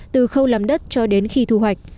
từ khâu làm đất cho đến khi thu hoạch